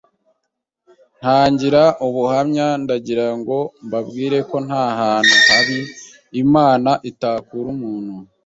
Ntangira ubuhamya ndangirango mbabwire ko nta hantu habi Imana itakura umuntu